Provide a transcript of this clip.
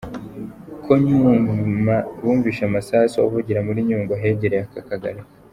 Ko nyuma bumvise amasasu avugira muri Nyungwe ahegereye aka kagari.